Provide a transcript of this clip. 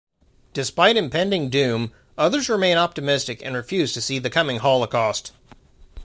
Despite impending doom, others remain optimistic and refuse to see the coming Holocaust.